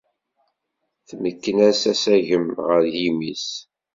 Tmekken-as asagem ɣer yimi-s.